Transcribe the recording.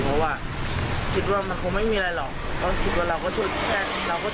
เพราะว่าคิดว่ามันคงไม่มีอะไรหรอกก็คิดว่าเราก็ช่วยแค่เราก็ช่วยเขาไว้ก่อน